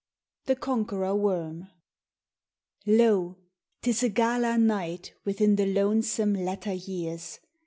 The Conqueror Worm LO! 'tis a gala nightWithin the lonesome latter years!